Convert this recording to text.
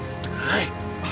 はい。